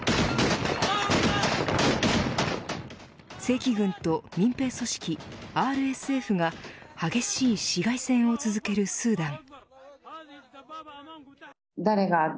正規軍と民兵組織ＲＳＦが激しい市街戦を続けるスーダン。